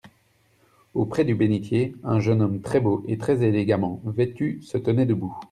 Auprès du bénitier, un jeune homme très beau et très élégamment vêtu se tenait debout.